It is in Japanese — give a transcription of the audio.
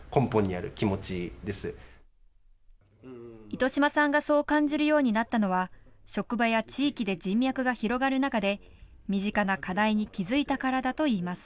糸島さんがそう感じるようになったのは職場や地域で人脈が広がる中で身近な課題に気付いたからだといいます。